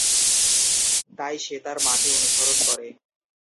তাই সে তার মাকে অনুসরণ করে।